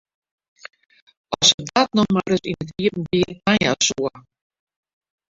As se dat no mar ris yn it iepenbier tajaan soe!